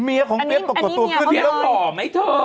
เมียของเฟียสปรากฏตัวขึ้นอันนี้เมียของเฟียสหรอไหมเถอะ